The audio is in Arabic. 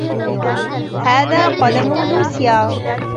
هذا قَلَم لوسيا.